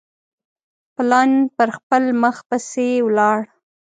پلان پر خپل مخ پسي ولاړ.